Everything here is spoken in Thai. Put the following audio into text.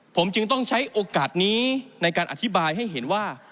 ผมจึงต้องใช้โอกาสนี้ในการอธิบายให้เห็นว่า